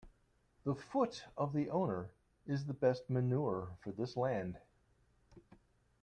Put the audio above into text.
The foot of the owner is the best manure for his land.